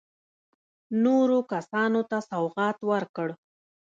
نورو کسانو ته سوغات ورکړ.